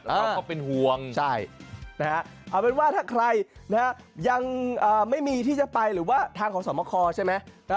เราก็เป็นห่วงเอาเป็นว่าถ้าใครยังไม่มีที่จะไปหรือว่าทางของสมคอใช่ไหม